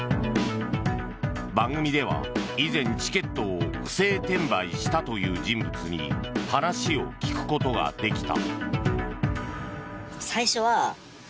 番組では以前、チケットを不正転売したという人物に話を聞くことができた。